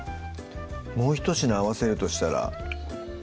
もうひと品合わせるとしたら？